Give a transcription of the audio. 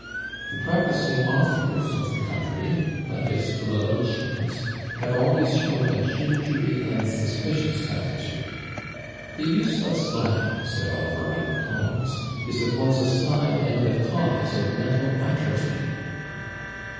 The practising authors of the country, like its philologians, have always shown [Pg305] a gingery and suspicious attitude. "The use of slang," said Oliver Wendell Holmes, "is at once a sign and a cause of mental atrophy."